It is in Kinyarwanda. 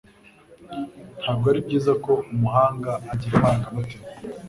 Ntabwo ari byiza ko umuhanga agira amarangamutima.